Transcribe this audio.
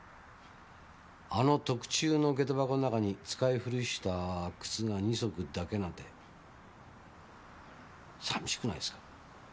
あの特注の下駄箱の中に使い古した靴が２足だけなんて寂しくないですか？